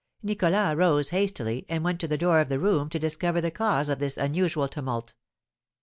Nicholas rose hastily, and went to the door of the room to discover the cause of this unusual tumult.